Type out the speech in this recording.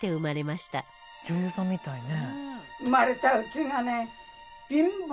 女優さんみたいね。